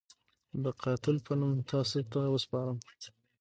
د قاتل په نوم تاسو ته وسپارم.